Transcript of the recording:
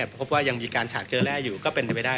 พบว่ายังมีการฉากเจอแร่อยู่ก็เป็นไปได้